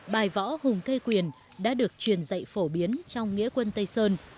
bài võ hùng thê quyền đã được truyền dạy phổ biến trong nghĩa quân tây sơn